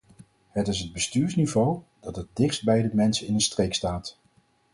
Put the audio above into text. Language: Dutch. Het is het bestuursniveau dat het dichtst bij de mensen in een streek staat.